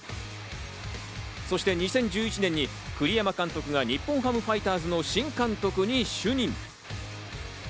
そして２０１１年に栗山監督が日本ハムファイターズの新監督に就任。